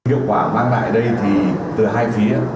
hiệu quả mang lại đây thì từ hai phía